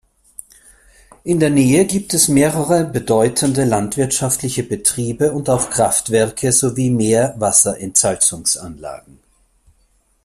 In der Nähe gibt es mehrere bedeutende landwirtschaftliche Betriebe und auch Kraftwerke sowie Meerwasserentsalzungsanlagen.